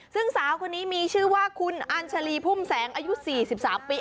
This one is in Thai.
ซึ่งสาวคนนี้มีชื่อว่าคุณอัญชาลีพุ่มแสงอายุ๔๓ปี